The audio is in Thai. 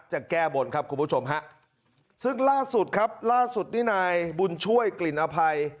จะแก้บนครับคุณผู้ชมฮะซึ่งล่าสุดครับล่าสุดนี่นายบุญช่วยกลิ่นอภัย